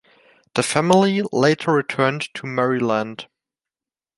The family later returned to Maryland.